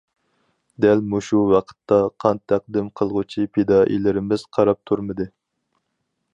دەل مۇشۇ ۋاقىتتا قان تەقدىم قىلغۇچى پىدائىيلىرىمىز قاراپ تۇرمىدى.